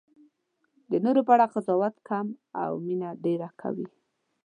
د نورو په اړه قضاوت کم او مینه ډېره کوئ.